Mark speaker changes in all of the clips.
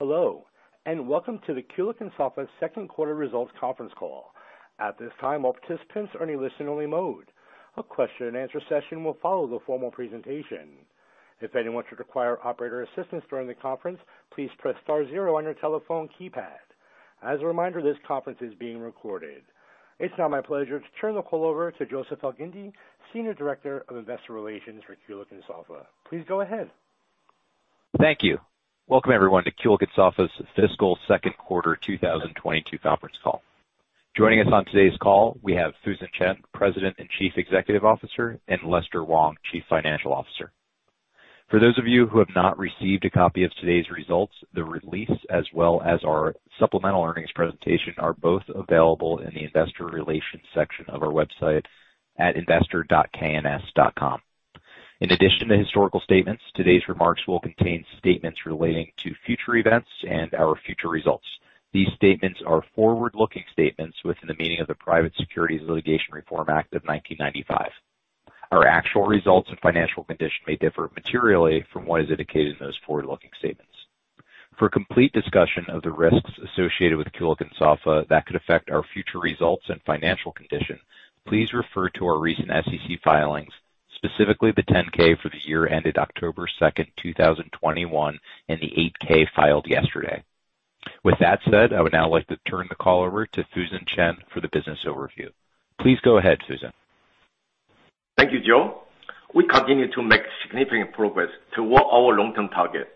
Speaker 1: Hello, and welcome to the Kulicke & Soffa second quarter results conference call. At this time, all participants are in a listen-only mode. A question and answer session will follow the formal presentation. If anyone should require operator assistance during the conference, please press star zero on your telephone keypad. As a reminder, this conference is being recorded. It's now my pleasure to turn the call over to Joseph Elgindy, Senior Director of Investor Relations for Kulicke & Soffa. Please go ahead.
Speaker 2: Thank you. Welcome everyone to Kulicke & Soffa's fiscal second quarter 2022 conference call. Joining us on today's call, we have Fusen Chen, President and Chief Executive Officer, and Lester Wong, Chief Financial Officer. For those of you who have not received a copy of today's results, the release as well as our supplemental earnings presentation are both available in the investor relations section of our website at investor.kns.com. In addition to historical statements, today's remarks will contain statements relating to future events and our future results. These statements are forward-looking statements within the meaning of the Private Securities Litigation Reform Act of 1995. Our actual results and financial condition may differ materially from what is indicated in those forward-looking statements. For a complete discussion of the risks associated with Kulicke & Soffa that could affect our future results and financial condition, please refer to our recent SEC filings, specifically the 10-K for the year ended October 2, 2021 and the 8-K filed yesterday. With that said, I would now like to turn the call over to Fusen Chen for the business overview. Please go ahead, Fusen.
Speaker 3: Thank you, Joe. We continue to make significant progress toward our long-term target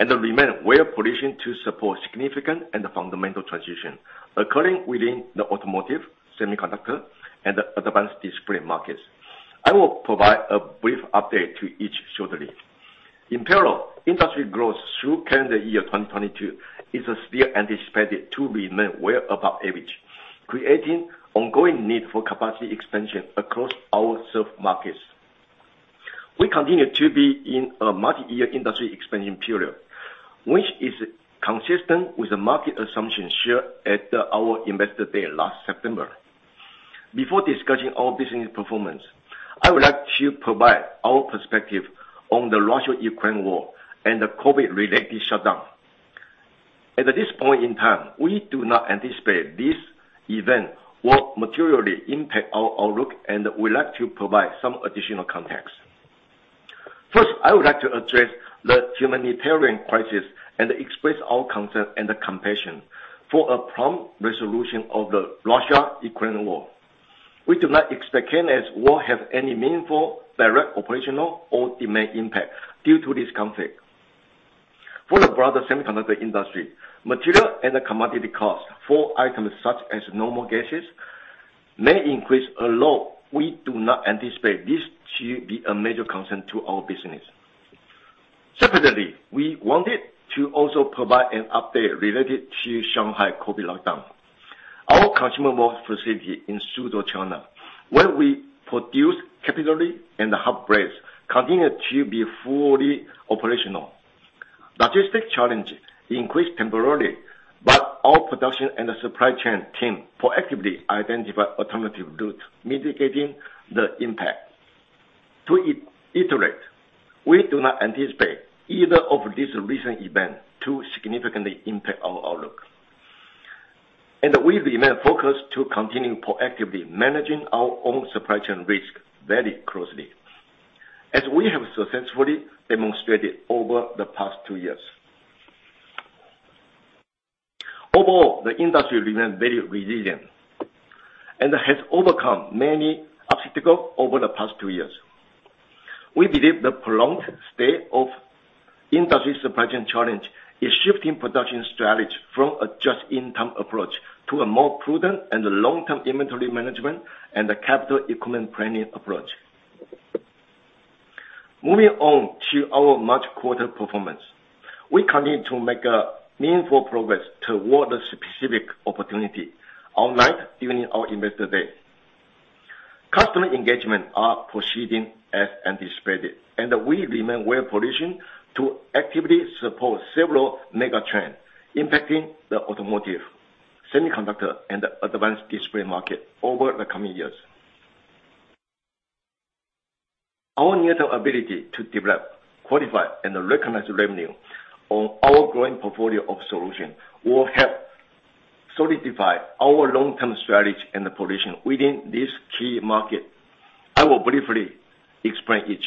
Speaker 3: and remain well-positioned to support significant and fundamental transition occurring within the automotive, semiconductor, and advanced display markets. I will provide a brief update to each shortly. In parallel, industry growth through calendar year 2022 is still anticipated to remain well above average, creating ongoing need for capacity expansion across our served markets. We continue to be in a multi-year industry expansion period, which is consistent with the market assumptions shared at our Investor Day last September. Before discussing our business performance, I would like to provide our perspective on the Russia-Ukraine war and the COVID-related shutdown. At this point in time, we do not anticipate this event will materially impact our outlook, and we'd like to provide some additional context. First, I would like to address the humanitarian crisis and express our concern and compassion for a prompt resolution of the Russia-Ukraine war. We do not expect K&S to have any meaningful direct operational or demand impact due to this conflict. For the broader semiconductor industry, material and commodity costs for items such as noble gases may increase a lot. We do not anticipate this to be a major concern to our business. Separately, we wanted to also provide an update related to Shanghai COVID lockdown. Our consumables facility in Suzhou, China, where we produce capillary and hub blades, continue to be fully operational. Logistics challenges increased temporarily, but our production and supply chain team proactively identified alternative routes, mitigating the impact. To reiterate, we do not anticipate either of these recent events to significantly impact our outlook. We remain focused to continue proactively managing our own supply chain risk very closely, as we have successfully demonstrated over the past two years. Overall, the industry remains very resilient and has overcome many obstacles over the past two years. We believe the prolonged state of industry supply chain challenge is shifting production strategy from a just-in-time approach to a more prudent and long-term inventory management and capital equipment planning approach. Moving on to our March quarter performance. We continue to make a meaningful progress toward the specific opportunity outlined during our Investor Day. Customer engagement are proceeding as anticipated, and we remain well-positioned to actively support several mega trends impacting the automotive, semiconductor, and advanced display market over the coming years. Our near-term ability to develop, qualify, and recognize revenue on our growing portfolio of solutions will help solidify our long-term strategy and position within this key market. I will briefly explain each.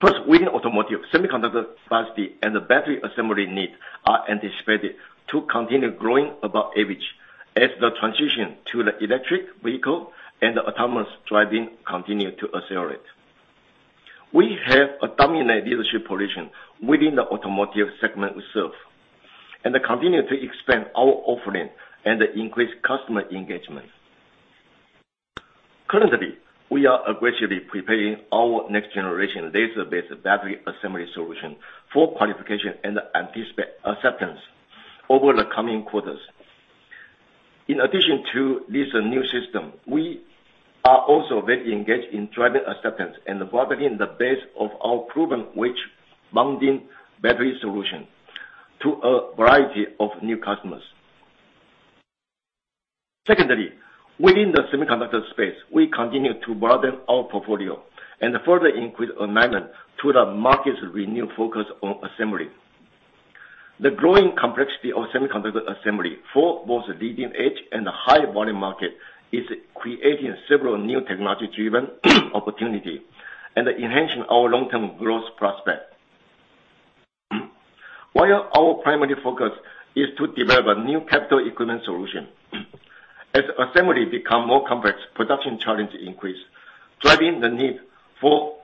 Speaker 3: First, within automotive, semiconductor capacity and battery assembly needs are anticipated to continue growing above average as the transition to the electric vehicle and autonomous driving continue to accelerate. We have a dominant leadership position within the automotive segment we serve, and continue to expand our offering and increase customer engagement. Currently, we are aggressively preparing our next-generation laser-based battery assembly solution for qualification and anticipate acceptance over the coming quarters. In addition to this new system, we are also very engaged in driving acceptance and broadening the base of our proven wedge bonding battery solution to a variety of new customers. Secondly, within the semiconductor space, we continue to broaden our portfolio and further increase alignment to the market's renewed focus on assembly. The growing complexity of semiconductor assembly for both leading-edge and the high-volume market is creating several new technology-driven opportunities and enhancing our long-term growth prospects. While our primary focus is to develop a new capital equipment solution, as assembly becomes more complex, production challenges increase, driving the need for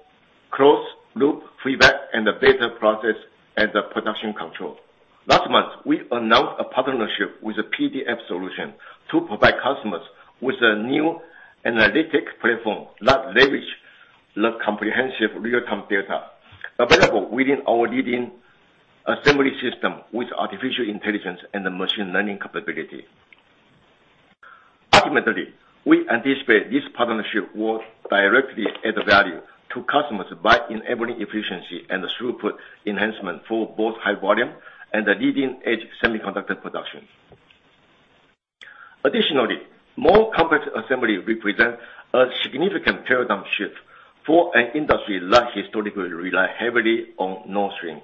Speaker 3: closed-loop feedback and a better process as production control. Last month, we announced a partnership with PDF Solutions to provide customers with a new analytics platform that leverages the comprehensive real-time data available within our leading assembly system with artificial intelligence and the machine learning capability. Ultimately, we anticipate this partnership will directly add value to customers by enabling efficiency and throughput enhancement for both high-volume and the leading-edge semiconductor production. Additionally, more complex assembly represents a significant paradigm shift for an industry that historically relies heavily on node shrink.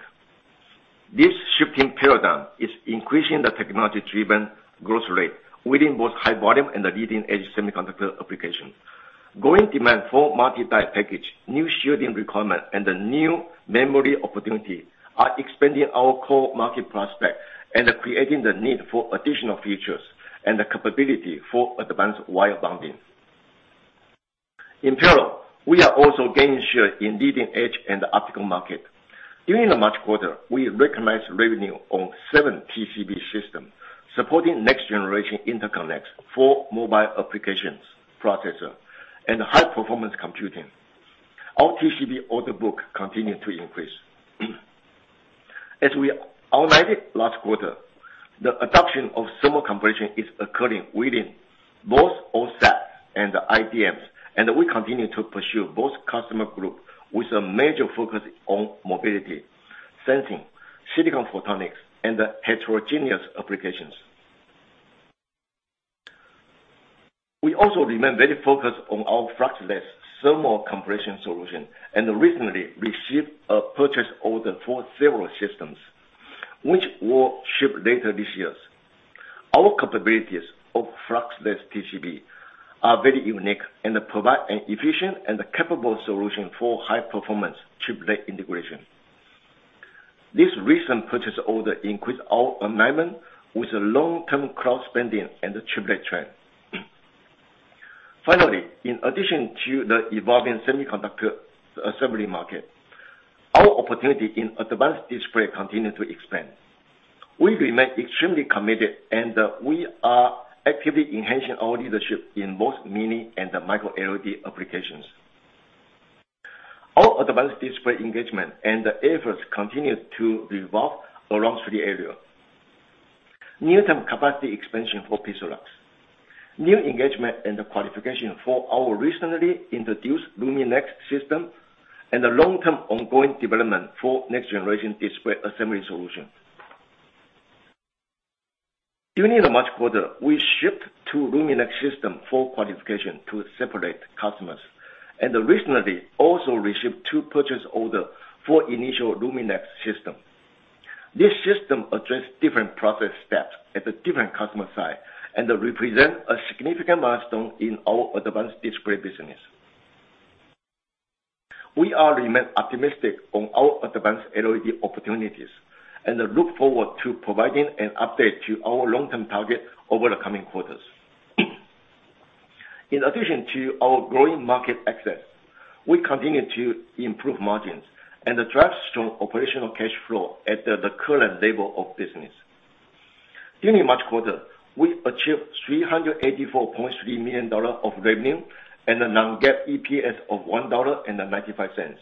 Speaker 3: This shifting paradigm is increasing the technology-driven growth rate within both high-volume and the leading-edge semiconductor applications. Growing demand for multi-die packages, new shielding requirements, and the new memory opportunity are expanding our core market prospects and creating the need for additional features and the capability for advanced wire bonding. In parallel, we are also gaining share in leading-edge and optical markets. During the March quarter, we recognized revenue on 7 TCB systems, supporting next-generation interconnects for mobile application processors and high-performance computing. Our TCB order book continued to increase. As we outlined it last quarter, the adoption of thermal compression is occurring within both OSAT and the IDMs, and we continue to pursue both customer groups with a major focus on mobility, sensing, silicon photonics, and heterogeneous applications. We also remain very focused on our Fluxless Thermal Compression solution and recently received a purchase order for several systems which will ship later this year. Our capabilities of fluxless TCB are very unique and provide an efficient and capable solution for high performance chiplet integration. This recent purchase order increase our alignment with the long-term cloud spending and the chiplet trend. Finally, in addition to the evolving semiconductor assembly market, our opportunity in advanced display continue to expand. We remain extremely committed and we are actively enhancing our leadership in both Mini LED and Micro LED applications. Our advanced display engagement and efforts continue to revolve around three area. Near-term capacity expansion for PIXALUX, new engagement and qualification for our recently introduced LUMINEX system, and the long-term ongoing development for next generation display assembly solution. During the March quarter, we shipped two LUMINEX systems for qualification to separate customers, and recently also received two purchase orders for initial LUMINEX systems. This system addresses different process steps at the different customer side and represents a significant milestone in our advanced display business. We are remain optimistic on our advanced LED opportunities and look forward to providing an update to our long-term target over the coming quarters. In addition to our growing market access, we continue to improve margins and drive strong operational cash flow at the current level of business. During March quarter, we achieved $384.3 million of revenue and a non-GAAP EPS of $1.95.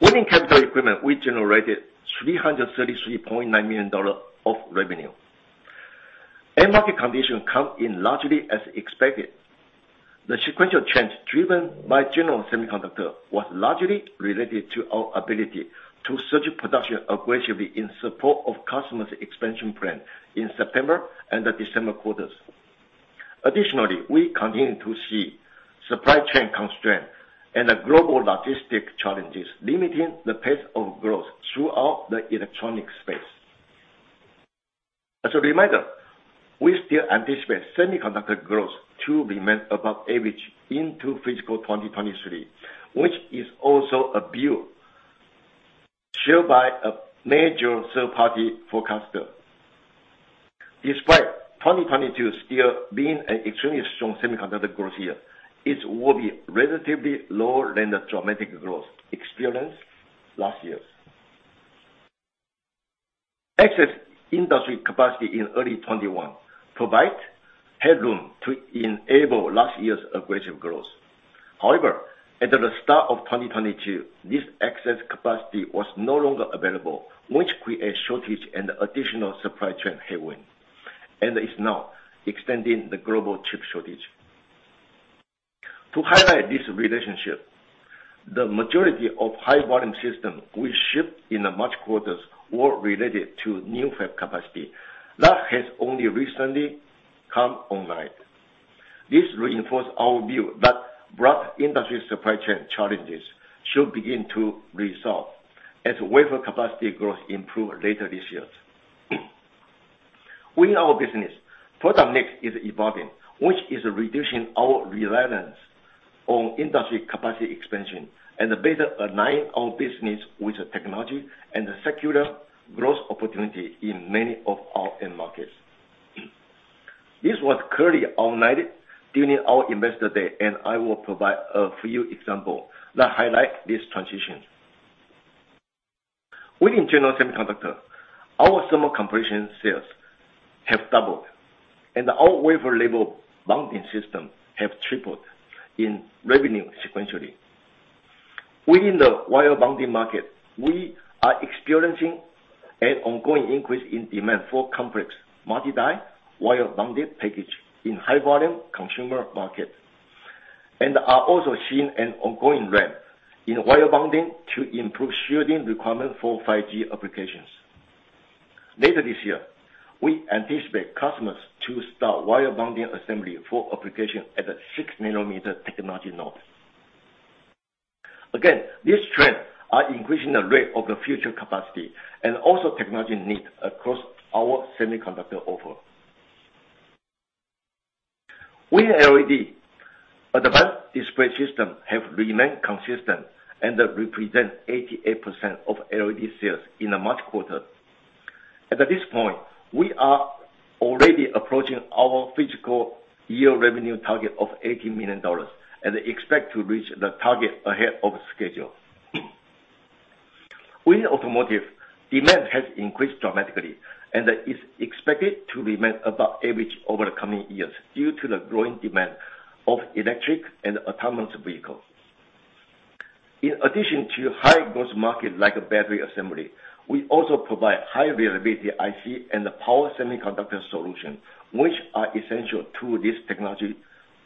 Speaker 3: Within capital equipment, we generated $333.9 million of revenue. End market condition come in largely as expected. The sequential change driven by general semiconductor was largely related to our ability to surge production aggressively in support of customers expansion plan in September and the December quarters. Additionally, we continue to see supply chain constraints and global logistic challenges limiting the pace of growth throughout the electronic space. As a reminder, we still anticipate semiconductor growth to remain above average into fiscal 2023, which is also a view shared by a major third party forecaster. Despite 2022 still being an extremely strong semiconductor growth year, it will be relatively lower than the dramatic growth experienced last year. Excess industry capacity in early 2021 provide headroom to enable last year's aggressive growth. However, at the start of 2022, this excess capacity was no longer available, which created shortage and additional supply chain headwind, and is now extending the global chip shortage. To highlight this relationship, the majority of high-volume systems we shipped in the March quarters were related to new fab capacity that has only recently come online. This reinforces our view that broad industry supply chain challenges should begin to resolve as wafer capacity growth improves later this year. Within our business, product mix is evolving, which is reducing our reliance on industry capacity expansion and better aligns our business with the technology and the secular growth opportunity in many of our end markets. This was clearly outlined during our Investor Day, and I will provide a few examples that highlight this transition. Within general semiconductor, our thermal compression sales have doubled, and our wafer-level bonding system have tripled in revenue sequentially. Within the wire bonding market, we are experiencing an ongoing increase in demand for complex multi-die wire bonding package in high volume consumer market. We are also seeing an ongoing ramp in wire bonding to improve shielding requirement for 5G applications. Later this year, we anticipate customers to start wire bonding assembly for application at a 6 nanometer technology node. These trends are increasing the rate of the future capacity and also technology need across our semiconductor offer. With LED, advanced display system have remained consistent and represent 88% of LED sales in the March quarter. At this point, we are already approaching our fiscal year revenue target of $80 million and expect to reach the target ahead of schedule. Within automotive, demand has increased dramatically and is expected to remain above average over the coming years due to the growing demand for electric and autonomous vehicles. In addition to high-growth markets like battery assembly, we also provide high reliability IC and power semiconductor solutions, which are essential to this technology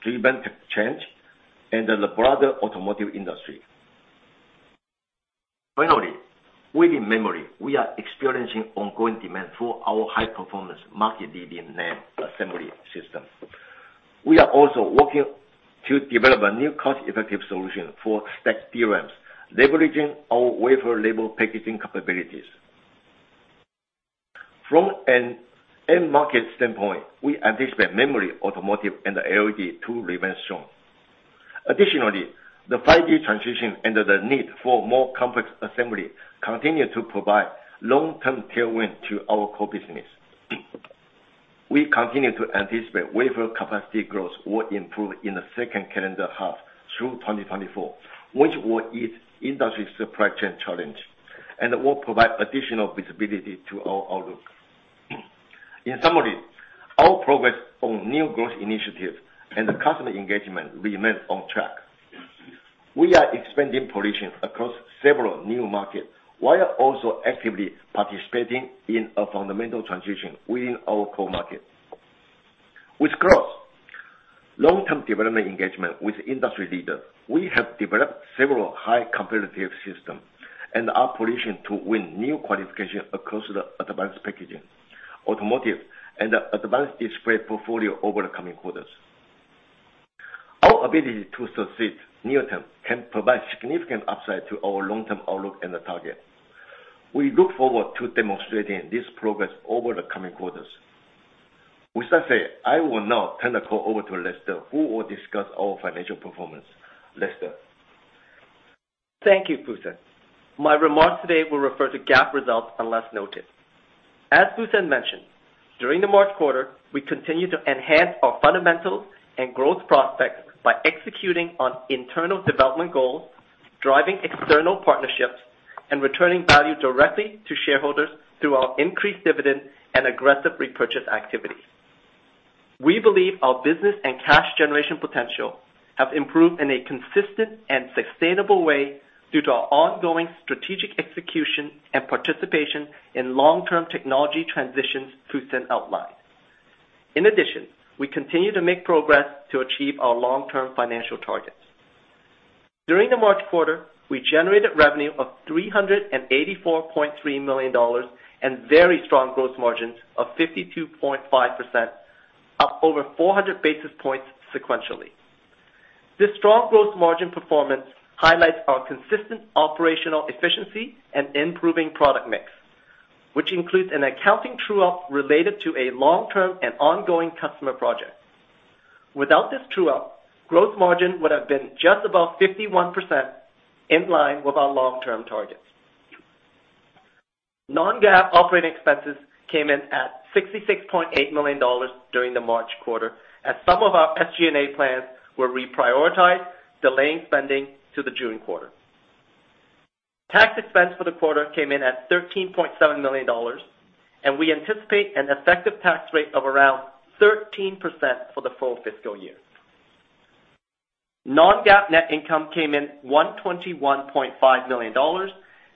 Speaker 3: driven tech change and the broader automotive industry. Finally, within memory, we are experiencing ongoing demand for our high-performance market-leading NAND assembly system. We are also working to develop a new cost-effective solution for stacked DRAMs, leveraging our wafer-level packaging capabilities. From an end market standpoint, we anticipate memory, automotive, and LED to remain strong. Additionally, the 5G transition and the need for more complex assembly continue to provide long-term tailwind to our core business. We continue to anticipate wafer capacity growth will improve in the second calendar half through 2024, which will ease industry supply chain challenges and will provide additional visibility to our outlook. In summary, our progress on new growth initiatives and customer engagement remains on track. We are expanding our position across several new markets while also actively participating in a fundamental transition within our core market. With our growth, long-term development engagement with industry leaders, we have developed several highly competitive systems and are positioned to win new qualifications across the advanced packaging, automotive, and advanced display portfolio over the coming quarters. Our ability to succeed near term can provide significant upside to our long-term outlook and target. We look forward to demonstrating this progress over the coming quarters. With that said, I will now turn the call over to Lester, who will discuss our financial performance. Lester?
Speaker 4: Thank you, Fusen. My remarks today will refer to GAAP results unless noted. As Fusen mentioned, during the March quarter, we continued to enhance our fundamentals and growth prospects by executing on internal development goals, driving external partnerships, and returning value directly to shareholders through our increased dividend and aggressive repurchase activity. We believe our business and cash generation potential have improved in a consistent and sustainable way due to our ongoing strategic execution and participation in long-term technology transitions Fusen outlined. In addition, we continue to make progress to achieve our long-term financial targets. During the March quarter, we generated revenue of $384.3 million and very strong gross margins of 52.5%, up over 400 basis points sequentially. This strong growth margin performance highlights our consistent operational efficiency and improving product mix, which includes an accounting true-up related to a long-term and ongoing customer project. Without this true-up, growth margin would have been just above 51%, in line with our long-term targets. non-GAAP operating expenses came in at $66.8 million during the March quarter, as some of our SG&A plans were reprioritized, delaying spending to the June quarter. Tax expense for the quarter came in at $13.7 million, and we anticipate an effective tax rate of around 13% for the full fiscal year. non-GAAP net income came in $121.5 million,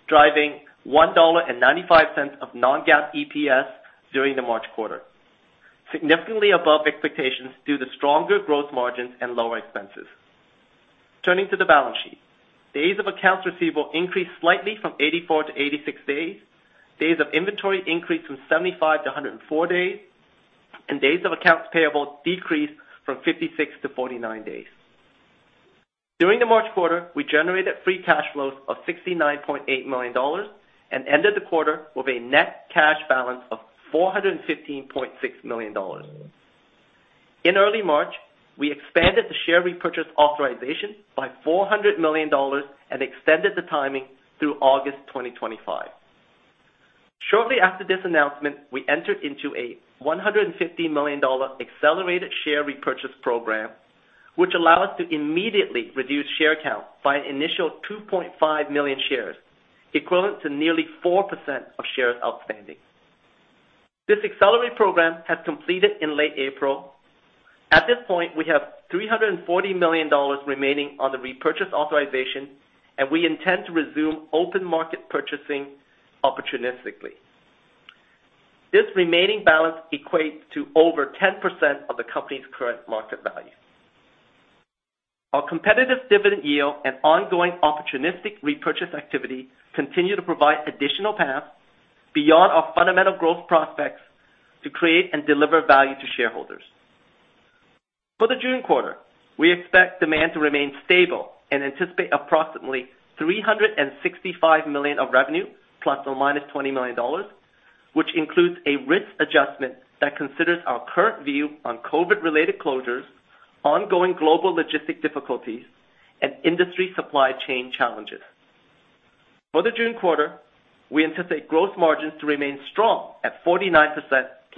Speaker 4: driving $1.95 of non-GAAP EPS during the March quarter. Significantly above expectations due to stronger growth margins and lower expenses. Turning to the balance sheet. Days of accounts receivable increased slightly from 84 to 86 days. Days of inventory increased from 75 to 104 days, and days of accounts payable decreased from 56 to 49 days. During the March quarter, we generated free cash flows of $69.8 million and ended the quarter with a net cash balance of $415.6 million. In early March, we expanded the share repurchase authorization by $400 million and extended the timing through August 2025. Shortly after this announcement, we entered into a $150 million accelerated share repurchase program, which allow us to immediately reduce share count by an initial 2.5 million shares, equivalent to nearly 4% of shares outstanding. This accelerated program has completed in late April. At this point, we have $340 million remaining on the repurchase authorization, and we intend to resume open market purchasing opportunistically. This remaining balance equates to over 10% of the company's current market value. Our competitive dividend yield and ongoing opportunistic repurchase activity continue to provide additional paths beyond our fundamental growth prospects to create and deliver value to shareholders. For the June quarter, we expect demand to remain stable and anticipate approximately $365 million of revenue $20 million±, which includes a risk adjustment that considers our current view on COVID-related closures, ongoing global logistic difficulties, and industry supply chain challenges. For the June quarter, we anticipate gross margins to remain strong at 49%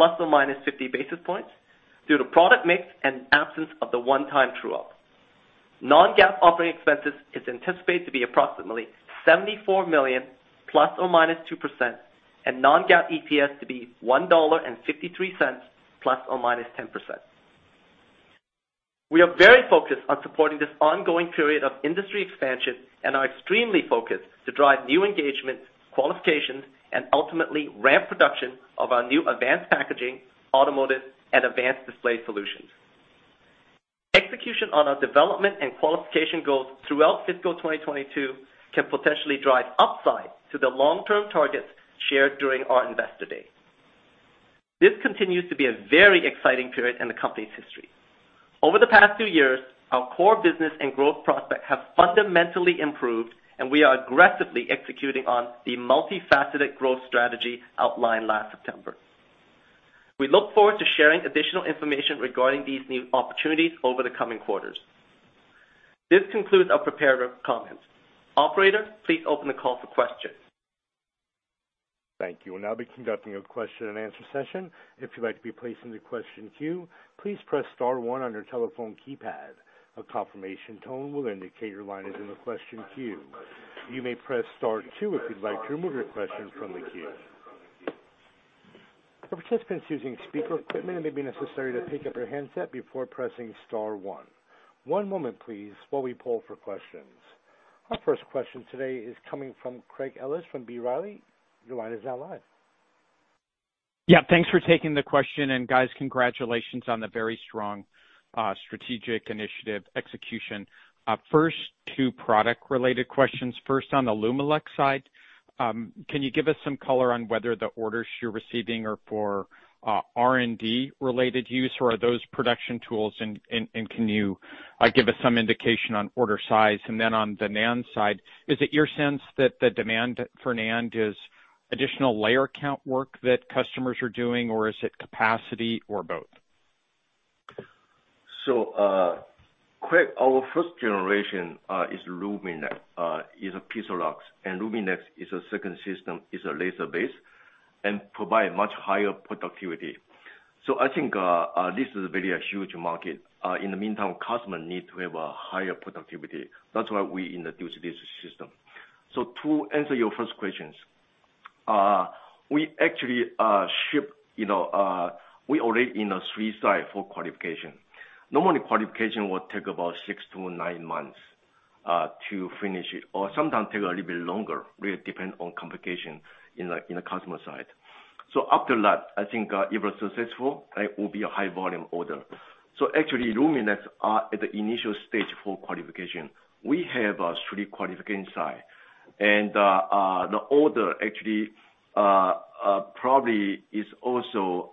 Speaker 4: ± 50 basis points due to product mix and absence of the one-time true-up. Non-GAAP operating expenses is anticipated to be approximately $74 million2% ±, and non-GAAP EPS to be $1.53,10% ±. We are very focused on supporting this ongoing period of industry expansion and are extremely focused to drive new engagements, qualifications, and ultimately ramp production of our new advanced packaging, automotive, and advanced display solutions. Execution on our development and qualification goals throughout fiscal 2022 can potentially drive upside to the long-term targets shared during our investor day. This continues to be a very exciting period in the company's history. Over the past two years, our core business and growth prospects have fundamentally improved, and we are aggressively executing on the multifaceted growth strategy outlined last September. We look forward to sharing additional information regarding these new opportunities over the coming quarters. This concludes our prepared comments. Operator, please open the call for questions.
Speaker 1: Thank you. We'll now be conducting a question and answer session. If you'd like to be placed into question queue, please press star one on your telephone keypad. A confirmation tone will indicate your line is in the question queue. You may press star two if you'd like to remove your question from the queue. For participants using speaker equipment, it may be necessary to pick up your handset before pressing star one. One moment please, while we poll for questions. Our first question today is coming from Craig Ellis from B. Riley. Your line is now live.
Speaker 5: Yeah, thanks for taking the question. Guys, congratulations on the very strong strategic initiative execution. First two product-related questions. First, on the LUMINEX side, can you give us some color on whether the orders you're receiving are for R&D related use or are those production tools? Can you give us some indication on order size? Then on the NAND side, is it your sense that the demand for NAND is additional layer count work that customers are doing, or is it capacity or both?
Speaker 3: Craig, our first generation is PIXALUX, and LUMINEX is a second system, is a laser-based and provide much higher productivity. I think this is a very huge market. In the meantime, customer need to have a higher productivity. That's why we introduce this system. To answer your first questions, we actually ship, you know, we already in a three site for qualification. Normally, qualification will take about six to nine months to finish it or sometimes take a little bit longer, really depend on complication in the customer side. After that, I think if we're successful, it will be a high volume order. Actually, LUMINEX are at the initial stage for qualification. We have three qualification sites, and the order actually probably is also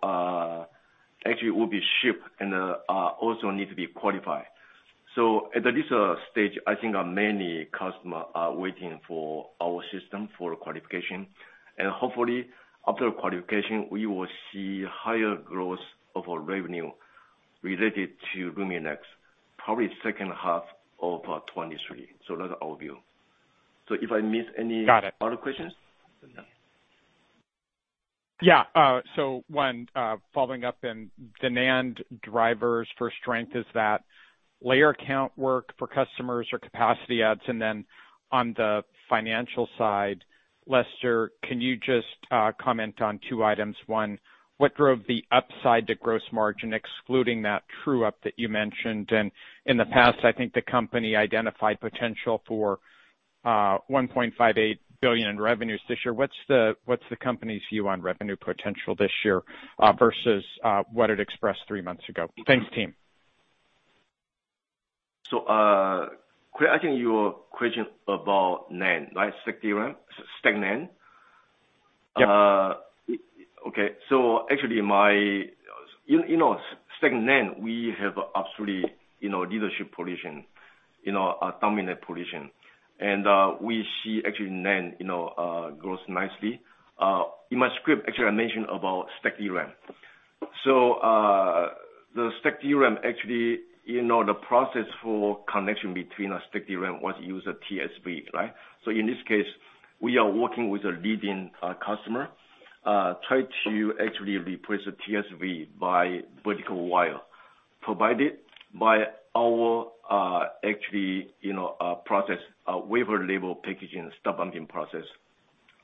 Speaker 3: actually will be shipped and also need to be qualified. At this stage, I think many customers are waiting for our system for qualification. Hopefully after qualification, we will see higher growth of our revenue related to LUMINEX, probably second half of 2023. That's our view. If I miss any other questions.
Speaker 5: Got it. Yeah. Following up in demand drivers for strength, is that layer count work for customers or capacity adds? Then on the financial side, Lester, can you just comment on two items. One, what drove the upside to gross margin excluding that true-up that you mentioned? In the past, I think the company identified potential for $1.58 billion in revenues this year. What's the company's view on revenue potential this year, versus what it expressed three months ago? Thanks, team.
Speaker 3: Craig, I think your question about NAND, right? Stacked DRAM, stacked NAND.
Speaker 5: Yeah.
Speaker 3: Okay. Actually, in you know, stacked NAND, we have absolutely, you know, leadership position, you know, a dominant position. We see actually NAND, you know, grows nicely. In my script, actually I mentioned about stacked DRAM. The stacked DRAM actually, you know, the process for connection between a stacked DRAM was use a TSV, right? In this case, we are working with a leading customer, try to actually replace a TSV by vertical wire provided by our actually, you know, process, wafer-level packaging Stud Bumping process.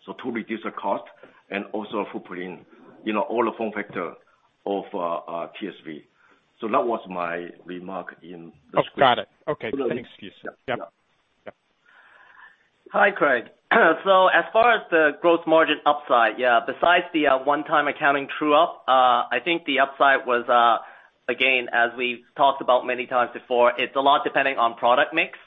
Speaker 3: To reduce the cost and also for putting, you know, all the form factor of TSV. That was my remark in the script.
Speaker 5: Oh, got it. Okay.
Speaker 3: So that-
Speaker 5: Excuse, yeah.
Speaker 3: Yeah.
Speaker 5: Yeah.
Speaker 4: Hi, Craig. As far as the gross margin upside, besides the one-time accounting true-up, I think the upside was, again, as we've talked about many times before, it's a lot depending on product mix.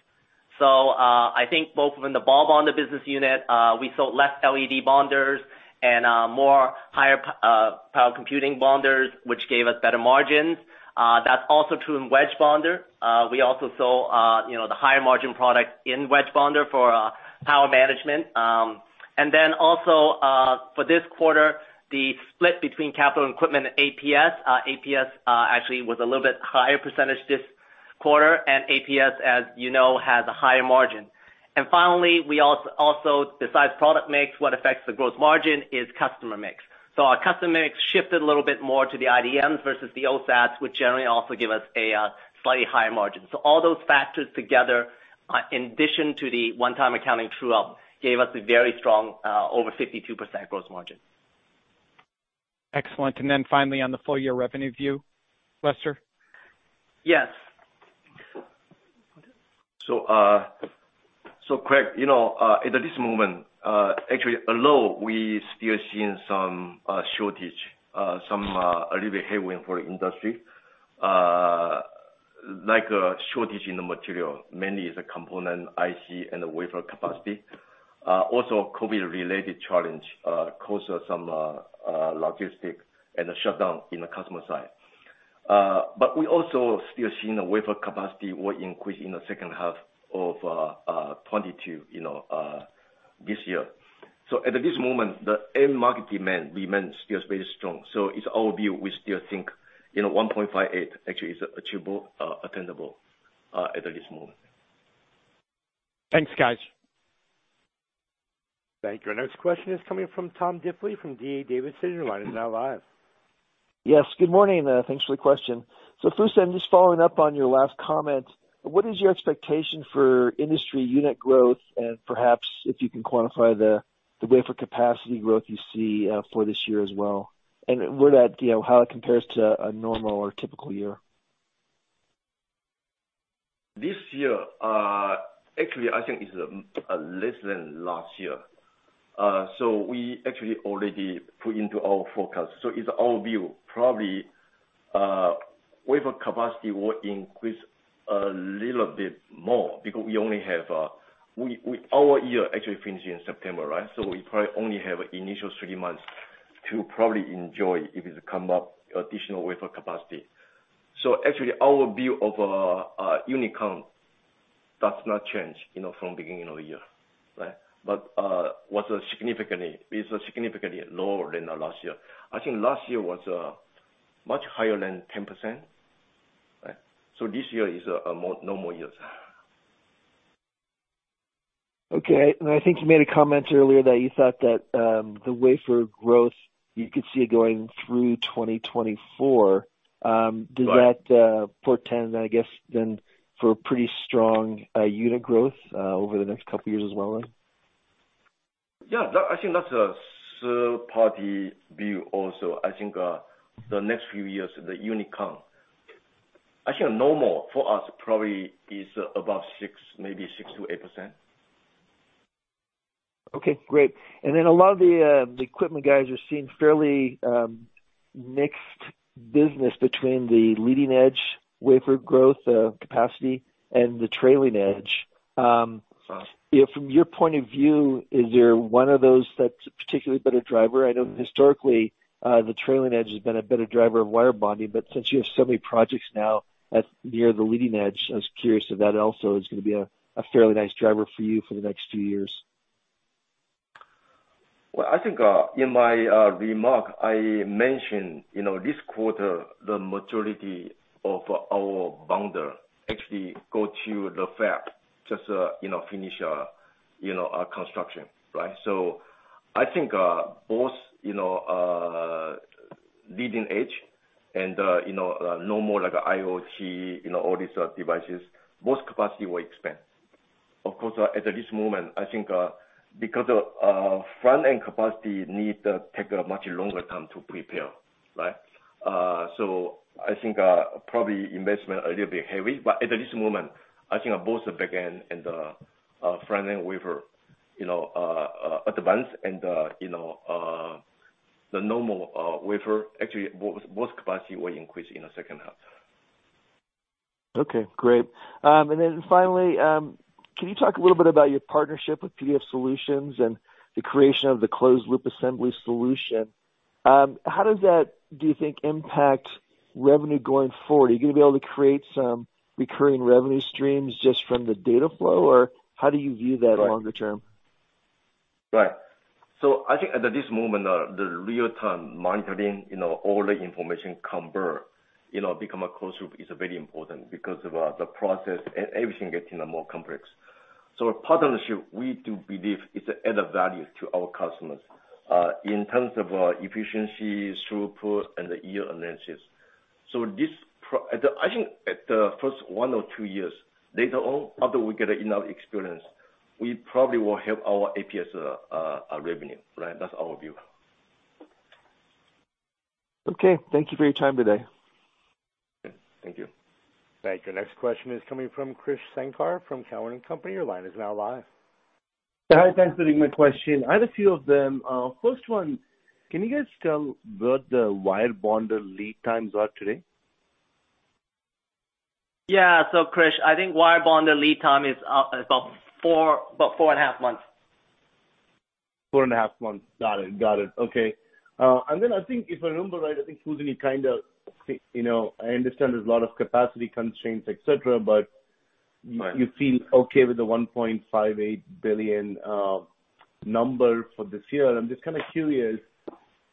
Speaker 4: I think both in the ball bonding business unit, we sold less LED bonders and more higher-power computing bonders, which gave us better margins. That's also true in wedge bonder. We also saw, you know, the higher margin product in wedge bonder for power management. And then also, for this quarter, the split between capital equipment and APS. APS actually was a little bit higher percentage this quarter, and APS, as you know, has a higher margin. Finally, we also, besides product mix, what affects the gross margin is customer mix. Our customer mix shifted a little bit more to the IDMs versus the OSATs, which generally also give us a slightly higher margin. All those factors together, in addition to the one-time accounting true-up, gave us a very strong over 52% gross margin.
Speaker 5: Excellent. Finally, on the full year revenue view, Lester?
Speaker 4: Yes.
Speaker 3: Craig, you know, at this moment, actually although we still seeing some shortage, a little bit headwind for the industry, like a shortage in the material, mainly is a component IC and the wafer capacity. Also COVID-related challenge caused us some logistics and a shutdown in the customer side. We also still seeing the wafer capacity will increase in the second half of 2022, you know, this year. At this moment, the end market demand remains still very strong. It's our view, we still think, you know, 1.58 actually is achievable, attainable, at this moment.
Speaker 5: Thanks, guys.
Speaker 1: Thank you. Our next question is coming from Tom Diffely from D.A. Davidson. Your line is now live.
Speaker 6: Yes. Good morning. Thanks for the question. First, I'm just following up on your last comment. What is your expectation for industry unit growth? And perhaps if you can quantify the wafer capacity growth you see for this year as well, and where that, you know, how it compares to a normal or typical year.
Speaker 3: This year, actually, I think it's less than last year. We actually already put into our forecast. It's our view, probably, wafer capacity will increase a little bit more because our year actually finishes in September, right? We probably only have initial three months to probably enjoy if it come up additional wafer capacity. Actually our view of unit count does not change, you know, from beginning of the year, right? It is significantly lower than the last year. I think last year was much higher than 10%, right? This year is a more normal year.
Speaker 6: Okay. I think you made a comment earlier that you thought that, the wafer growth you could see it going through 2024.
Speaker 3: Right.
Speaker 6: Does that portend, I guess then, for a pretty strong unit growth over the next couple of years as well then?
Speaker 3: That, I think that's a third-party view also. I think, the next few years, the unit count, actually normal for us probably is about 6%, maybe 6%-8%.
Speaker 6: Okay, great. A lot of the equipment guys are seeing fairly mixed business between the leading edge wafer growth capacity and the trailing edge.
Speaker 3: Right.
Speaker 6: You know, from your point of view, is there one of those that's a particularly better driver? I know historically, the trailing edge has been a better driver of wire bonding, but since you have so many projects now at near the leading edge, I was curious if that also is gonna be a fairly nice driver for you for the next few years.
Speaker 3: Well, I think in my remark I mentioned, you know, this quarter, the majority of our bonder actually go to the fab, just you know finish you know our construction, right? I think both you know leading edge and you know normal like IoT you know all these devices both capacity will expand. Of course, at this moment, I think because of front-end capacity need to take a much longer time to prepare, right? I think probably investment a little bit heavy, but at this moment, I think both the back end and front-end wafer you know advance and you know the normal wafer actually both capacity will increase in the second half.
Speaker 6: Okay, great. Finally, can you talk a little bit about your partnership with PDF Solutions and the creation of the closed loop assembly solution? How does that, do you think, impact revenue going forward? Are you gonna be able to create some recurring revenue streams just from the data flow? Or how do you view that longer term?
Speaker 3: Right. I think at this moment, the real-time monitoring, you know, all the information convert, you know, become a closed loop is very important because of the process and everything getting more complex. Partnership, we do believe is added value to our customers in terms of efficiency, throughput and yield analysis. I think at the first one or two years, later on after we get enough experience, we probably will help our APS revenue, right? That's our view.
Speaker 6: Okay. Thank you for your time today.
Speaker 3: Thank you.
Speaker 1: Thank you. Next question is coming from Krish Sankar from Cowen and Company. Your line is now live.
Speaker 7: Hi, thanks for taking my question. I have a few of them. First one, can you guys tell what the wire bonder lead times are today?
Speaker 4: Yeah. Krish, I think wire bonder lead time is about 4.5 months.
Speaker 7: 4.5 months. Got it. Okay. I think if I remember right, I think Fusen kind of, you know, I understand there's a lot of capacity constraints, et cetera, but.
Speaker 3: Right.
Speaker 7: You feel okay with the $1.58 billion number for this year. I'm just kind of curious,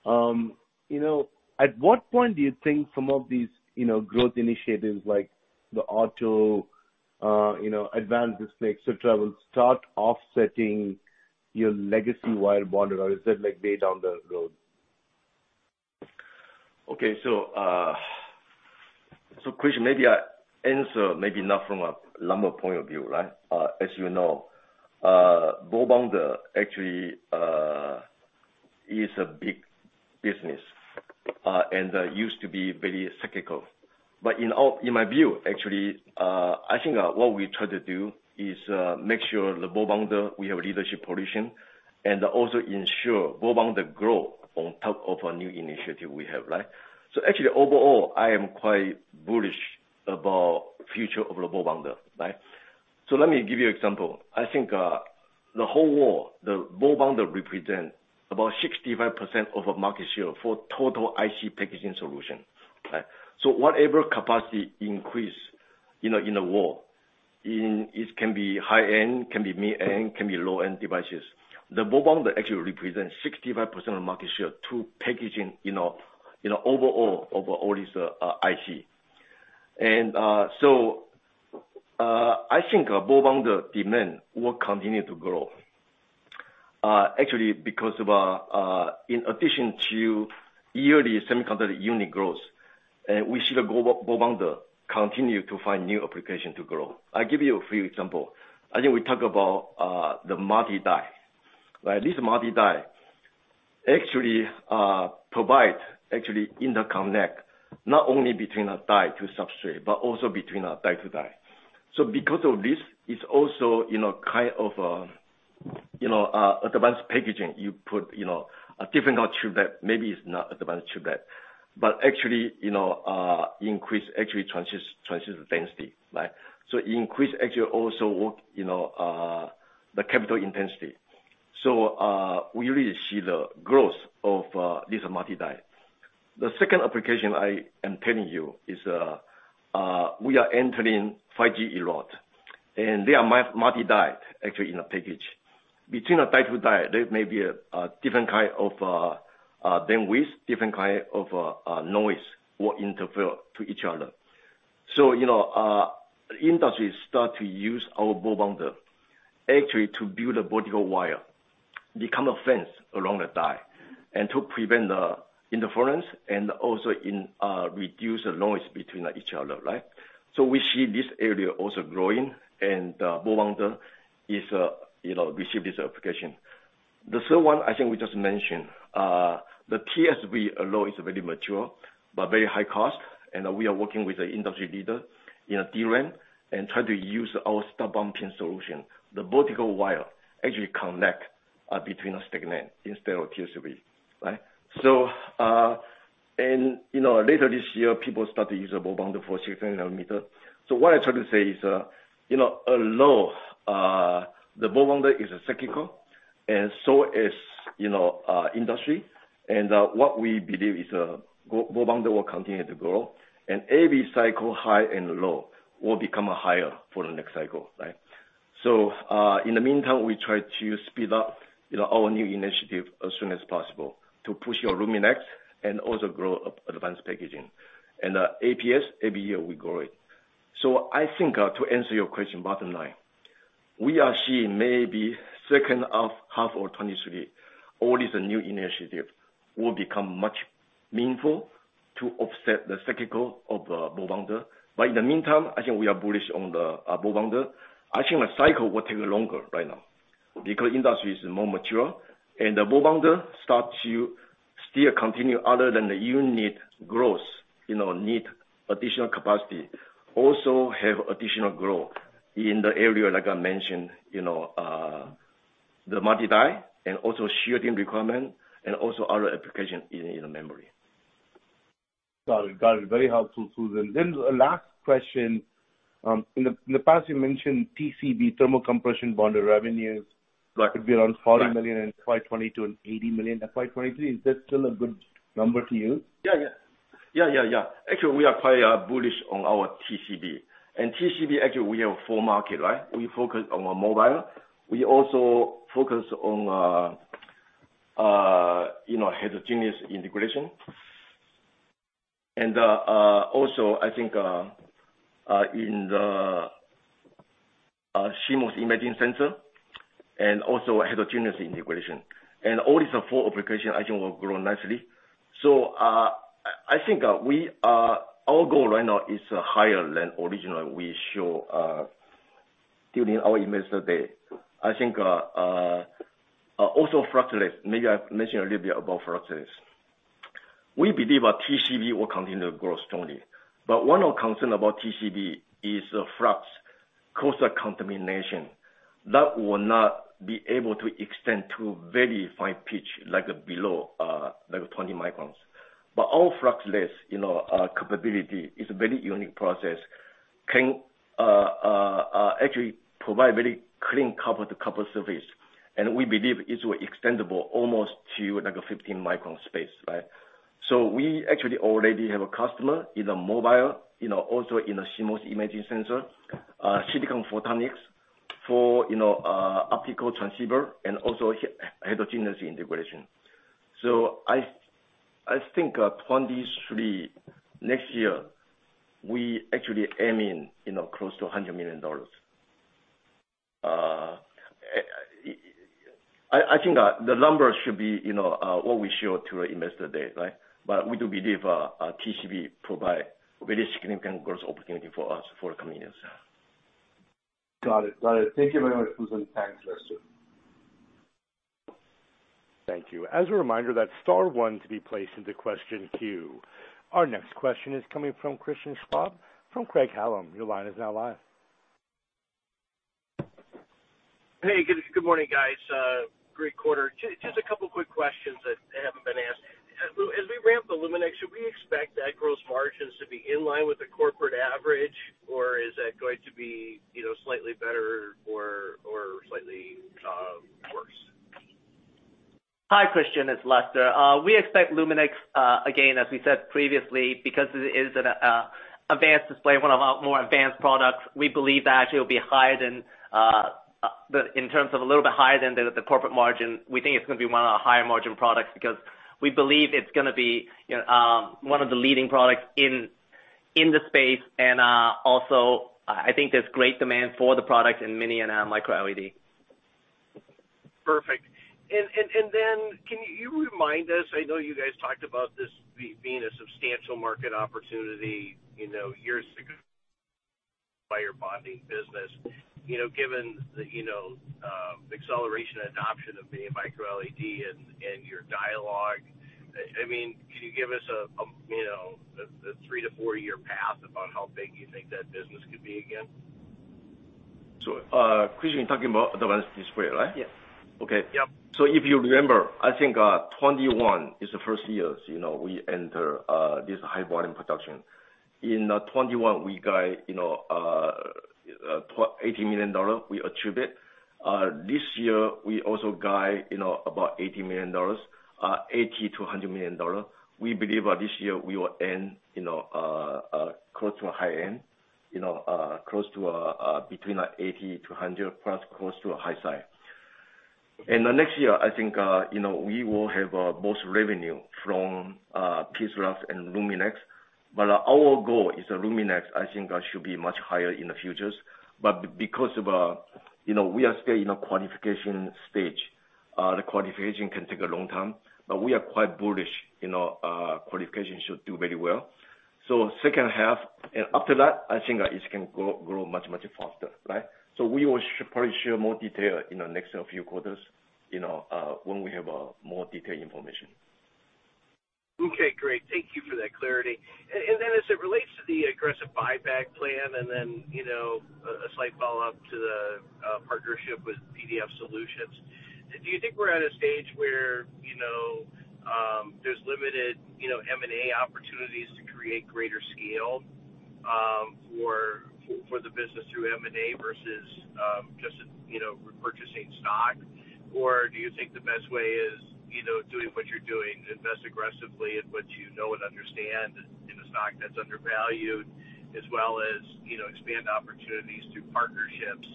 Speaker 7: you know, at what point do you think some of these, you know, growth initiatives like the auto, you know, advanced mix et cetera, will start offsetting your legacy wire bonder or is that like way down the road?
Speaker 3: Krish, maybe I answer maybe not from a number point of view, right? As you know, ball bonder actually is a big business, and used to be very cyclical. In all, in my view, actually, I think, what we try to do is, make sure the ball bonder we have leadership position, and also ensure ball bonder grow on top of a new initiative we have, right? Actually overall, I am quite bullish about future of the ball bonder, right? Let me give you example. I think, the whole world, the ball bonder represent about 65% of market share for total IC packaging solution, right? Whatever capacity increase, you know, in the world, it can be high-end, can be mid-end, can be low-end devices. The ball bonder actually represents 65% of market share to packaging, you know, overall is IC. I think our ball bonder demand will continue to grow, actually because of, in addition to yearly semiconductor unit growth, we see the ball bonder continue to find new application to grow. I'll give you a few examples. I think we talked about the multi-die, right? This multi-die actually provide actually interconnect not only between a die to substrate, but also between die to die. Because of this, it's also, you know, kind of, you know, advanced packaging. You put, you know, a different maybe it's not advanced chiplet, but actually, you know, increase actually transition density, right? Increase actually also, you know, the capital intensity. We really see the growth of this multi-die. The second application I am telling you is we are entering 5G, and they are multi-die actually in a package. Between a die to die, there may be a different kind of noise or interference to each other. You know, industries start to use our ball bonder actually to build a vertical wire, become a fence along the die and to prevent the interference and also reduce the noise between each other, right? We see this area also growing and ball bonder is you know receive this application. The third one, I think we just mentioned, the TSV alone is very mature but very high cost and we are working with the industry leader in DRAM and try to use our innovative solution. The vertical wire actually connect between a stacked NAND instead of TSV, right? You know, later this year people start to use a ball bonder for innovative memory. What I'm trying to say is, you know, although the ball bonder is cyclical and so is the industry and what we believe is, ball bonder will continue to grow and every cycle, high and low, will become higher for the next cycle, right? In the meantime, we try to speed up, you know, our new initiative as soon as possible to push our LUMINEX and also grow up advanced packaging. APS every year we grow it. I think, to answer your question, bottom line, we are seeing maybe second half of 2023, all these new initiatives will become much meaningful to offset the cyclicality of ball bonder. In the meantime, I think we are bullish on the ball bonder. I think the cycle will take longer right now because industry is more mature and the ball bonder starts to still contribute other than the unit growth, you know, need additional capacity, also have additional growth. In the area, like I mentioned, you know, the multi die and also shielding requirement and also other application in the memory.
Speaker 7: Got it. Very helpful, Fusen Chen. The last question, in the past you mentioned TCB, thermal compression bonded revenues-
Speaker 3: Right.
Speaker 7: Could be around $40 million in 2022 and $80 million in 2023. Is that still a good number to use?
Speaker 3: Actually, we are quite bullish on our TCB. TCB actually we have four markets, right? We focus on mobile. We also focus on, you know, Heterogeneous Integration. also I think in the CMOS imaging sensor and also Heterogeneous Integration. All these four applications actually will grow nicely. I think our goal right now is higher than originally we show during our investor day. I think also fluxless. Maybe I've mentioned a little bit about fluxless. We believe our TCB will continue to grow strongly, but one concern about TCB is the flux causes a contamination that will not be able to extend to very fine pitch like below like 20 microns. Our fluxless, you know, capability is a very unique process that can actually provide very clean copper-to-copper surface. We believe it will extendable almost to like a 15 micron space, right? We actually already have a customer in the mobile, you know, also in a CMOS imaging sensor, silicon photonics for, you know, optical transceiver and also heterogeneous integration. I think, 2023, next year, we actually aiming, you know, close to $100 million. I think, the numbers should be, you know, what we show to investors to date, right? We do believe, TCB provide very significant growth opportunity for us for coming years.
Speaker 7: Got it. Thank you very much, Fusen. Thanks, Lester.
Speaker 1: Thank you. As a reminder, that's star one to be placed into question queue. Our next question is coming from Christian Schwab from Craig-Hallum. Your line is now live.
Speaker 8: Hey, good morning, guys. Great quarter. Just a couple quick questions that haven't been asked. As we ramp the LUMINEX, should we expect that gross margins to be in line with the corporate average? Or is that going to be, you know, slightly better or slightly worse?
Speaker 4: Hi, Christian, it's Lester. We expect LUMINEX, again, as we said previously, because it is an advanced display, one of our more advanced products. We believe that actually it'll be a little bit higher than the corporate margin. We think it's gonna be one of our higher margin products because we believe it's gonna be, you know, one of the leading products in the space. Also, I think there's great demand for the product in mini and micro LED.
Speaker 8: Perfect. Can you remind us? I know you guys talked about this being a substantial market opportunity, you know, years ago by your bonding business. You know, given the, you know, acceleration and adoption of the Micro LED and your dialogue, I mean, can you give us a 3-4-year path about how big you think that business could be again?
Speaker 3: Christian, you're talking about advanced display, right?
Speaker 8: Yeah.
Speaker 3: Okay.
Speaker 8: Yep.
Speaker 3: If you remember, I think, 2021 is the first year, you know, we enter this high volume production. In 2021 we guide, you know, $80 million we attribute. This year we also guide, you know, about $80 million, $80-$100 million. We believe by this year we will end, you know, close to the high end, you know, close to between $80-$100 million plus, close to the high side. The next year, I think, you know, we will have both revenue from PIXALUX and LUMINEX. Our goal is LUMINEX, I think, should be much higher in the future. Because of, you know, we are still in a qualification stage, the qualification can take a long time, but we are quite bullish in our qualification should do very well. Second half and after that, I think, it can grow much faster, right? We will probably share more detail in the next few quarters, you know, when we have more detailed information.
Speaker 8: Okay, great. Thank you for that clarity. And then as it relates to the aggressive buyback plan and then, you know, a slight follow-up to the partnership with PDF Solutions, do you think we're at a stage where, you know, there's limited, you know, M&A opportunities to create greater scale for the business through M&A versus just, you know, repurchasing stock? Or do you think the best way is, you know, doing what you're doing, invest aggressively in what you know and understand in a stock that's undervalued, as well as, you know, expand opportunities through partnerships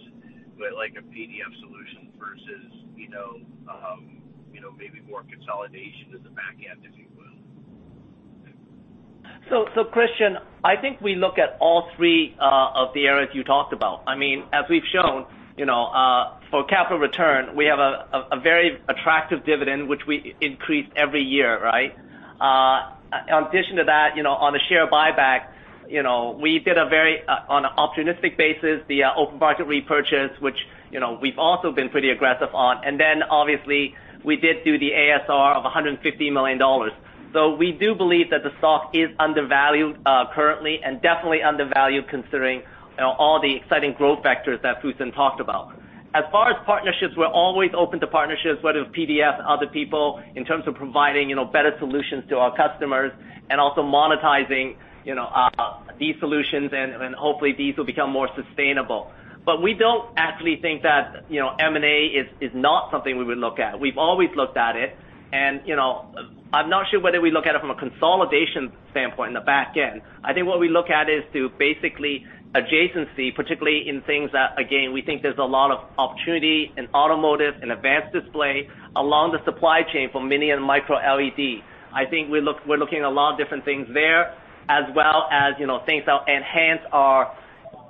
Speaker 8: with like PDF Solutions versus, you know, you know, maybe more consolidation in the back end, if you will?
Speaker 4: Christian, I think we look at all three of the areas you talked about. I mean, as we've shown, you know, for capital return, we have a very attractive dividend which we increase every year, right? In addition to that, you know, on the share buyback, you know, we did on an opportunistic basis the open market repurchase, which, you know, we've also been pretty aggressive on. Obviously we did do the ASR of $150 million. We do believe that the stock is undervalued currently and definitely undervalued considering, you know, all the exciting growth factors that Fusen talked about. As far as partnerships, we're always open to partnerships, whether it's PDF, other people, in terms of providing, you know, better solutions to our customers and also monetizing, you know, these solutions and hopefully these will become more sustainable. We don't actually think that, you know, M&A is not something we would look at. We've always looked at it and, you know, I'm not sure whether we look at it from a consolidation standpoint in the back end. I think what we look at is basically adjacency, particularly in things that again, we think there's a lot of opportunity in automotive and advanced display, along the supply chain for Mini LED and Micro LED. I think we're looking at a lot of different things there, as well as, you know, things that enhance our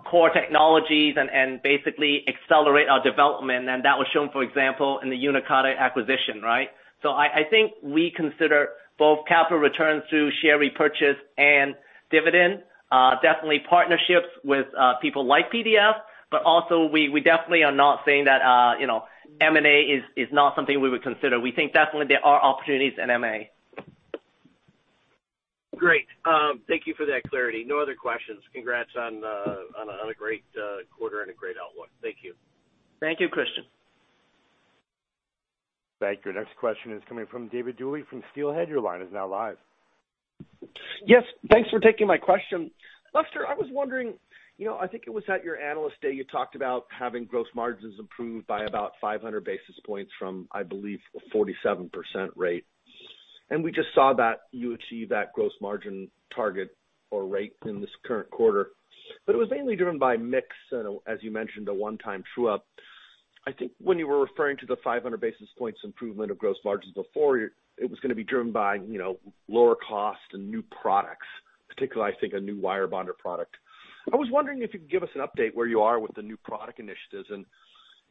Speaker 4: core technologies and basically accelerate our development. That was shown, for example, in the Uniqarta acquisition, right? I think we consider both capital returns through share repurchase and dividend, definitely partnerships with people like PDF, but also we definitely are not saying that, you know, M&A is not something we would consider. We think definitely there are opportunities in M&A.
Speaker 8: Great. Thank you for that clarity. No other questions. Congrats on a great quarter and a great outlook. Thank you.
Speaker 4: Thank you, Christian.
Speaker 1: Thank you. Next question is coming from David Duley from Steelhead. Your line is now live.
Speaker 9: Yes, thanks for taking my question. Lester, I was wondering, you know, I think it was at your Analyst Day, you talked about having gross margins improved by about 500 basis points from, I believe, a 47% rate. We just saw that you achieved that gross margin target or rate in this current quarter. It was mainly driven by mix, you know, as you mentioned, a one-time true-up. I think when you were referring to the 500 basis points improvement of gross margins before, it was gonna be driven by, you know, lower cost and new products, particularly, I think, a new wire bonder product. I was wondering if you could give us an update where you are with the new product initiatives, and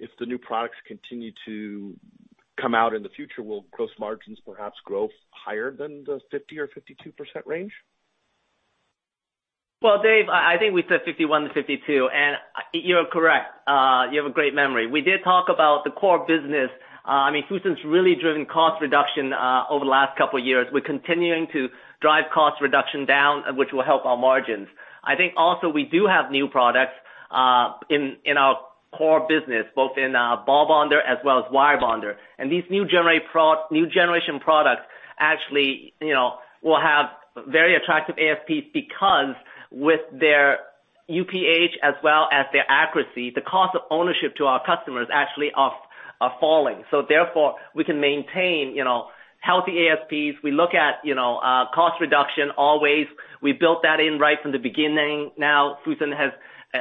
Speaker 9: if the new products continue to come out in the future, will gross margins perhaps grow higher than the 50% or 52% range?
Speaker 4: Well, Dave, I think we said 51%-52%, and you're correct. You have a great memory. We did talk about the core business. I mean, Fusen's really driven cost reduction over the last couple of years. We're continuing to drive cost reduction down, which will help our margins. I think also we do have new products in our core business, both in ball bonder as well as wire bonder. These new generation products actually, you know, will have very attractive ASPs because with their UPH as well as their accuracy, the cost of ownership to our customers actually are falling. Therefore, we can maintain, you know, healthy ASPs. We look at, you know, cost reduction always. We built that in right from the beginning. Fusen has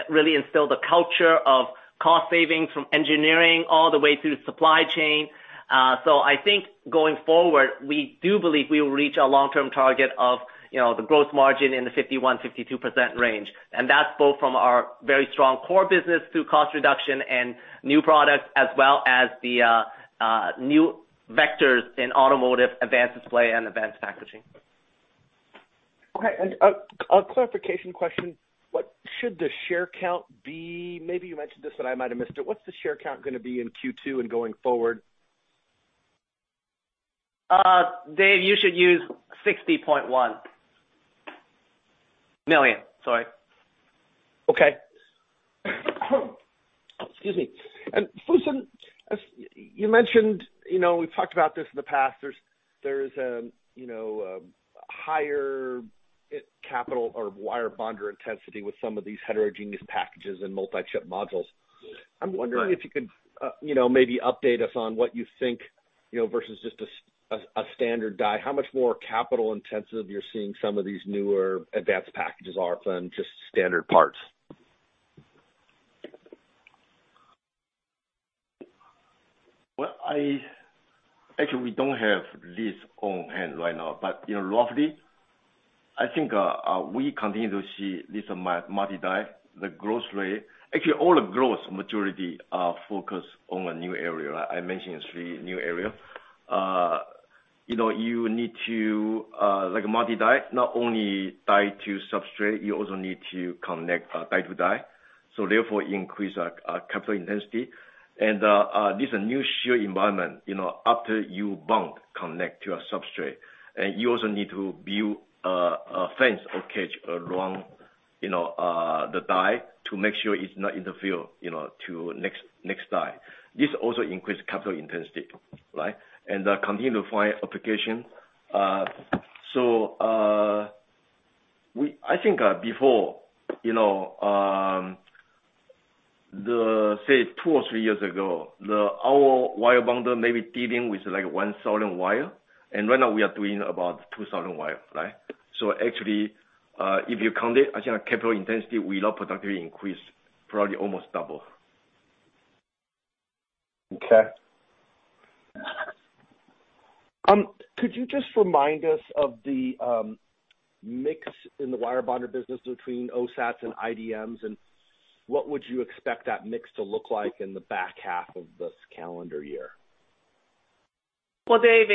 Speaker 4: really instilled a culture of cost savings from engineering all the way through supply chain. I think going forward, we do believe we will reach our long-term target of, you know, the gross margin in the 51%-52% range. That's both from our very strong core business through cost reduction and new products, as well as the new vectors in automotive, advanced display and advanced packaging.
Speaker 9: Okay. A clarification question. What should the share count be? Maybe you mentioned this, and I might have missed it. What's the share count gonna be in Q2 and going forward?
Speaker 4: David, you should use $60.1 million, sorry.
Speaker 9: Okay. Excuse me. Fusen, as you mentioned, you know, we've talked about this in the past. There's, you know, you know, higher capital or wire bonder intensity with some of these heterogeneous packages and multi-chip modules.
Speaker 3: Right.
Speaker 9: I'm wondering if you could, you know, maybe update us on what you think, you know, versus just a standard die, how much more capital intensive you're seeing some of these newer advanced packages are than just standard parts?
Speaker 3: Well, actually, we don't have this on hand right now, but you know, roughly, I think, we continue to see this multi die, the growth rate. Actually, all the growth majority are focused on a new area. I mentioned three new area. You know, you need to, like multi die, not only die to substrate, you also need to connect, die to die, so therefore increase, capital intensity. This a new shield environment, you know, after you bond connect to a substrate. You also need to build, a fence or cage around, you know, the die to make sure it's not interfere, you know, to next die. This also increase capital intensity, right? Continue to find application. I think before, say, two or three years ago, our wire bonder may be dealing with like 1,000 wire, and right now we are doing about 2,000 wire, right? Actually, if you count it as a capital intensity, we low productivity increase probably almost double.
Speaker 9: Okay. Could you just remind us of the mix in the wire bonder business between OSATs and IDMs, and what would you expect that mix to look like in the back half of this calendar year?
Speaker 4: Well, Dave,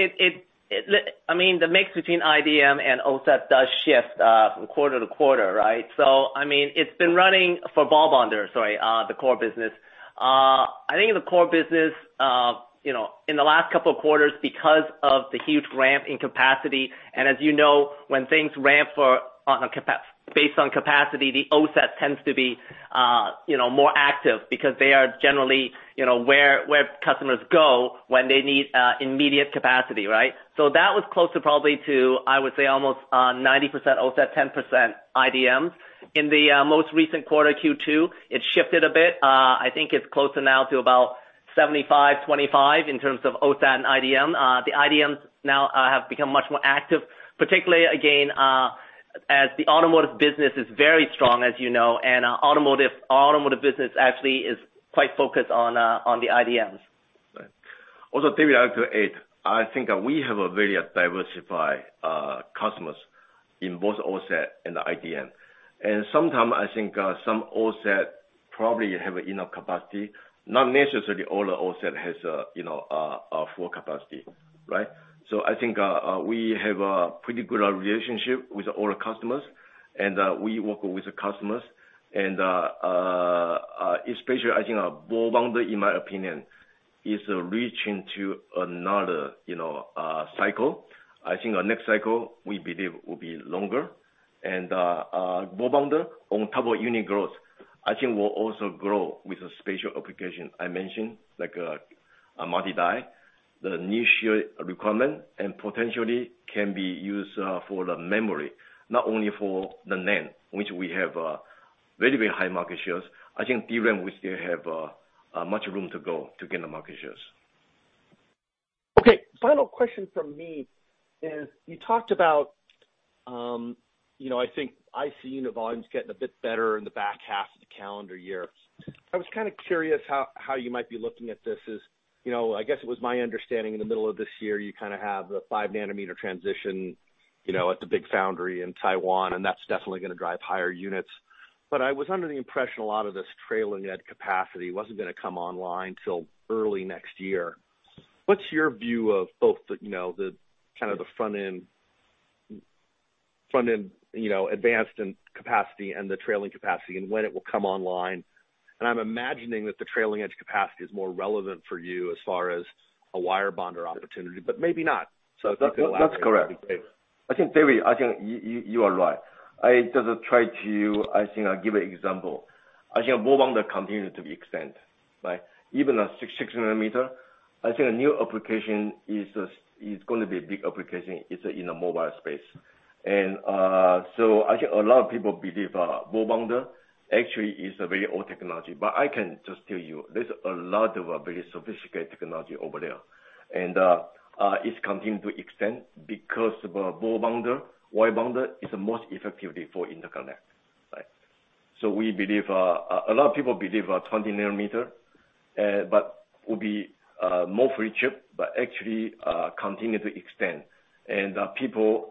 Speaker 4: I mean, the mix between IDM and OSAT does shift from quarter to quarter, right? So I mean, it's been running for ball bonder, sorry, the core business. I think the core business, you know, in the last couple of quarters, because of the huge ramp in capacity, and as you know, when things ramp based on capacity, the OSAT tends to be, you know, more active because they are generally, you know, where customers go when they need immediate capacity, right? So that was close to, I would say almost, 90% OSAT, 10% IDM. In the most recent quarter, Q2, it shifted a bit. I think it's closer now to about 75/25 in terms of OSAT and IDM. The IDMs now have become much more active, particularly again, as the automotive business is very strong, as you know, and automotive business actually is quite focused on the IDMs.
Speaker 3: Also, David, to add to it, I think we have a very diversified customers in both OSAT and the IDM. Sometimes I think some OSAT probably have enough capacity. Not necessarily all OSAT has, you know, a full capacity, right? I think we have a pretty good relationship with all customers and we work with the customers and especially I think our ball bonder, in my opinion, is reaching to another, you know, cycle. I think our next cycle, we believe, will be longer. Ball bonder, on top of unit growth, I think will also grow with the special application I mentioned, like a multi-die, the niche requirement, and potentially can be used for the memory, not only for the NAND, which we have very, very high market shares. I think DRAM will still have much room to go to gain the market shares.
Speaker 9: Okay. Final question from me is, you talked about, you know, I think I see unit volumes getting a bit better in the back half of the calendar year. I was kinda curious how you might be looking at this as, you know, I guess it was my understanding in the middle of this year, you kinda have the 5 nanometer transition, you know, at the big foundry in Taiwan, and that's definitely gonna drive higher units. But I was under the impression a lot of this trailing-edge capacity wasn't gonna come online till early next year. What's your view of both the, you know, the kind of the front-end, you know, advanced capacity and the trailing capacity and when it will come online? I'm imagining that the trailing edge capacity is more relevant for you as far as a wire bonder opportunity, but maybe not. If you could elaborate.
Speaker 3: That's correct. I think, David, I think you are right. I think I'll give an example. I think ball bonder continue to be extend, right? Even at 6 nanometer, I think a new application is gonna be a big application in the mobile space. So I think a lot of people believe ball bonder actually is a very old technology. But I can just tell you, there's a lot of very sophisticated technology over there. It's continuing to extend because of ball bonder, wire bonder is the most effective for interconnect, right? So we believe a lot of people believe 20 nanometer but will be more for chiplet, but actually continue to extend. People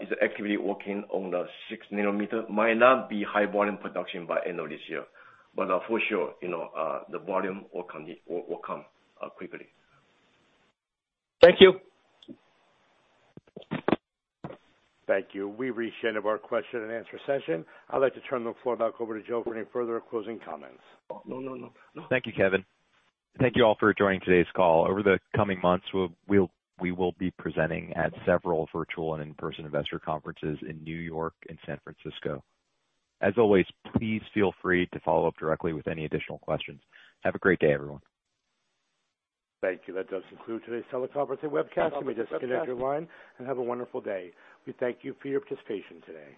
Speaker 3: is actively working on the 6 nanometer. Might not be high volume production by end of this year, but for sure, you know, the volume will come quickly.
Speaker 9: Thank you.
Speaker 1: Thank you. We've reached the end of our question and answer session. I'd like to turn the floor back over to Joe for any further closing comments.
Speaker 3: No, no, no.
Speaker 2: Thank you, Kevin. Thank you all for joining today's call. Over the coming months, we will be presenting at several virtual and in-person investor conferences in New York and San Francisco. As always, please feel free to follow up directly with any additional questions. Have a great day, everyone.
Speaker 1: Thank you. That does conclude today's teleconference and webcast. You may disconnect your line and have a wonderful day. We thank you for your participation today.